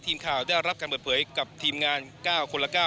ทีมข่าวได้รับการเปิดเผยกับทีมงาน๙คนละ๙